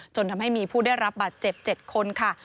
จนทำให้มีผู้ได้รับบัตร๗คนค่ะ